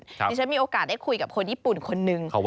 ดิฉันมีโอกาสได้คุยกับคนญี่ปุ่นคนนึง